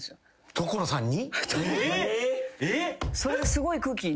所さんに？